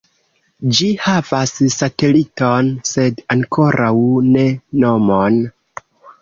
Ĝi havas sateliton sed ankoraŭ ne nomon.